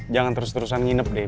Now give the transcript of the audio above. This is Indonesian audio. jangan terus terusan nginep deh